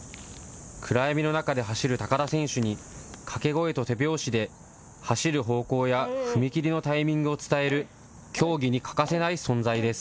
暗闇の中で走る高田選手に、掛け声と手拍子で、走る方向や踏み切りのタイミングを伝える、競技に欠かせない存在です。